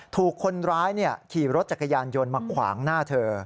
ถูกคนร้ายขี่รถจักรยานยนต์มาขวางหน้าเธอ